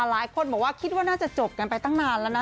หลายคนบอกว่าคิดว่าน่าจะจบกันไปตั้งนานแล้วนะ